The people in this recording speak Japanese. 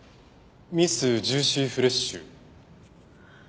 ミスジューシーフレッシュ？